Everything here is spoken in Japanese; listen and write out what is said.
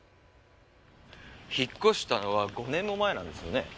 引っ越したのは５年も前なんですよね？